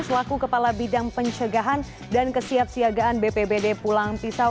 selaku kepala bidang pencegahan dan kesiapsiagaan bpbd pulang pisau